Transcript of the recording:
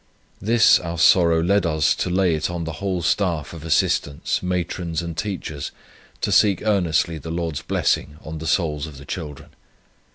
This our sorrow led us to lay it on the whole staff of assistants, matrons and teachers, to seek earnestly the Lord's blessing on the souls of the children.